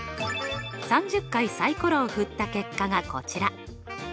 ３０回サイコロを振った結果がこちら。